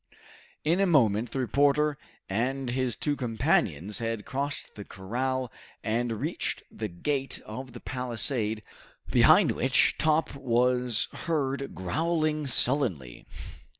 In a moment the reporter and his two companions had crossed the corral and reached the gate of the palisade behind which Top was heard growling sullenly.